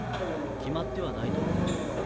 決まってはないと思うよ。